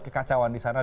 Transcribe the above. kekacauan di sana